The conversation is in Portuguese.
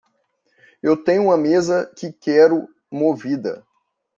Eu tenho uma mesa que quero movida.